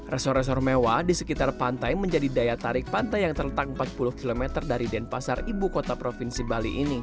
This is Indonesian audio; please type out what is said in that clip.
resor resor mewah di sekitar pantai menjadi daya tarik pantai yang terletak empat puluh km dari denpasar ibu kota provinsi bali ini